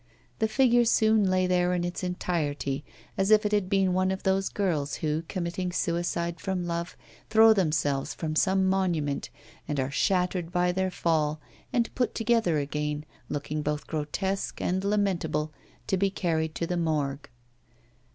The figure soon lay there in its entirety, as if it had been one of those girls who, committing suicide from love, throw themselves from some monument and are shattered by their fall, and put together again, looking both grotesque and lamentable, to be carried to the Morgue.